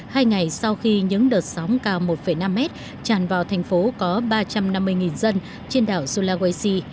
hai ngày sau khi những đợt sóng cao một năm mét tràn vào thành phố có ba trăm năm mươi dân trên đảo sulawesi